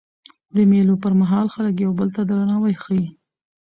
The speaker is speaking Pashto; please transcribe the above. د مېلو پر مهال خلک یو بل ته درناوی ښيي.